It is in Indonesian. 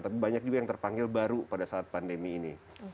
tapi banyak juga yang terpanggil baru pada saat pandemi ini